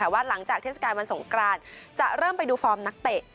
ว่าหลังจากเทศกาลวันสงกรานจะเริ่มไปดูฟอร์มนักเตะ